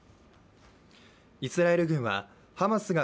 イスラエル軍はハマスが